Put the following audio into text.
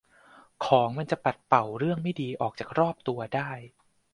ของมันจะปัดเป่าเรื่องไม่ดีออกจากรอบตัวได้